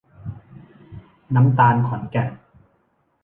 น้ำตาลขอนแก่น